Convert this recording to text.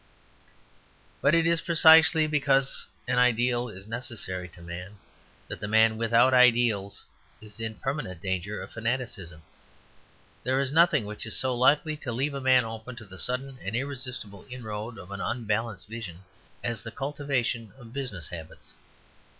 But it is precisely because an ideal is necessary to man that the man without ideals is in permanent danger of fanaticism. There is nothing which is so likely to leave a man open to the sudden and irresistible inroad of an unbalanced vision as the cultivation of business habits.